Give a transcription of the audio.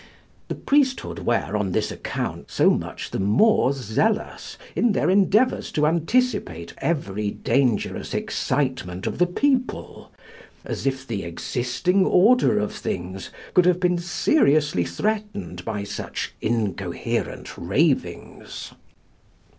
The priesthood were, on this account, so much the more zealous in their endeavours to anticipate every dangerous excitement of the people, as if the existing order of things could have been seriously threatened by such incoherent ravings.